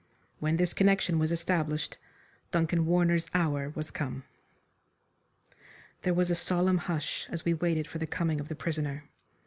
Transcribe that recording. When this connection was established Duncan Warner's hour was come. There was a solemn hush as we waited for the coming of the prisoner.